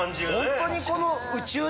ホントにこの。